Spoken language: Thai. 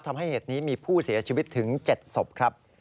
เหตุนี้มีผู้เสียชีวิตถึง๗ศพครับ